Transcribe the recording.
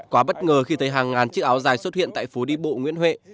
quá bất ngờ khi thấy hàng ngàn chiếc áo dài xuất hiện tại phố đi bộ nguyễn huệ